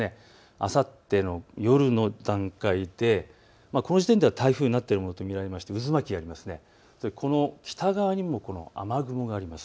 あさっての夜の段階でこの時点では台風になっているものと見られましてこの北側にも雨雲があります。